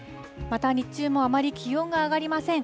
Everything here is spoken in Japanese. また、日中もあまり気温が上がりません。